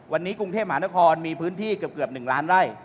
วันนี้กรุงเทพมหานครมีพื้นที่เกือบ๑ล้านไร่